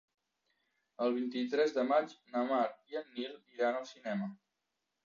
El vint-i-tres de maig na Mar i en Nil iran al cinema.